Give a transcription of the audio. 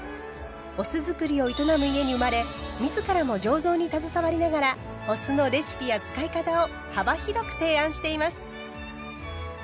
お酢造りを営む家に生まれ自らも醸造に携わりながらお酢のレシピや使い方を幅広く提案しています。